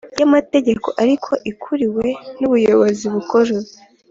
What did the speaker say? Y amategeko ariko ikuriwe n ubuyobozi bukuru